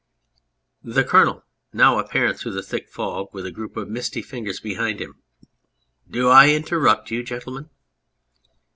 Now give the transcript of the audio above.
THE COLONEL (now apparent through the thick fog, with a group of misty figures behind him). Do I interrupt you, gentlemen